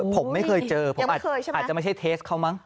ผมไม่เคยเจอผมอาจจะไม่ใช่เทสเขามั้ง